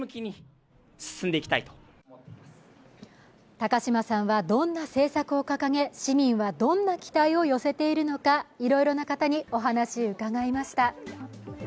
高島さんはどんな政策を掲げ市民はどんな期待を寄せているのかいろいろな方にお話を伺いました。